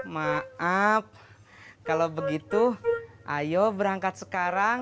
maaf kalau begitu ayo berangkat sekarang